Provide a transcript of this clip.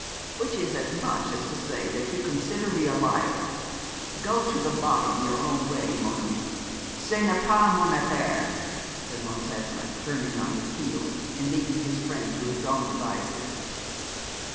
'Which is as much as to say that you consider me a liar! Go to the bottom your own way, mon ami: ce n'est pas mon affaire,' said Montesma, turning on his heel, and leaving his friend to his own devices.